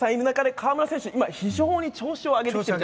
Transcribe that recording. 河村選手は非常に調子を上げてきている。